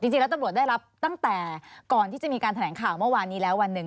จริงแล้วตำรวจได้รับตั้งแต่ก่อนที่จะมีการแถลงข่าวเมื่อวานนี้แล้ววันหนึ่ง